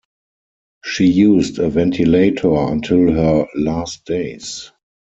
She used a ventilator until her last days.